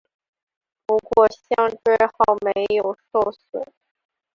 不过香椎号没有受损。